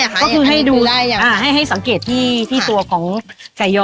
ก็คือให้ดูให้สังเกตที่ตัวของไก่ยอ